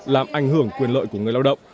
làm ảnh hưởng quyền lợi của người lao động